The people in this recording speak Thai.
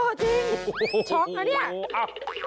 จริงช็อกนะเนี่ย